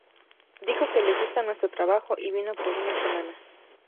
Dijo que le gusta nuestro trabajo y vino por una semana.